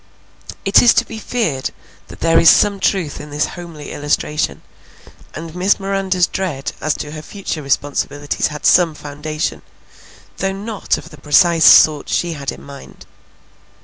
It is to be feared that there is some truth in this homely illustration, and Miss Miranda's dread as to her future responsibilities had some foundation, though not of the precise sort she had in mind.